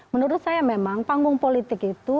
menurut saya memang panggung politik itu